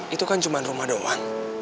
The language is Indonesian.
itu kan cuma rumah doang